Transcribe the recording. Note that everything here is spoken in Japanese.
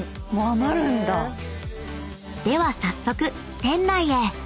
［では早速店内へ］